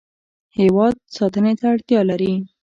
هیواد ساتنې ته اړتیا لري.